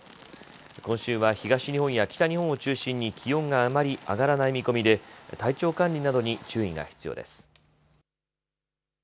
今週は東日本や北日本を中心に気温があまり上がらない見込みで体調管理などに注意が必要です。